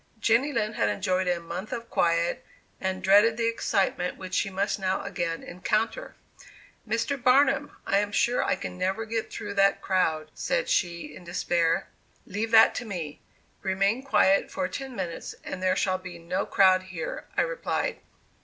Jenny Lind had enjoyed a month of quiet, and dreaded the excitement which she must now again encounter. "Mr. Barnum, I am sure I can never get through that crowd," said she, in despair. "Leave that to me. Remain quiet for ten minutes, and there shall be no crowd here," I replied.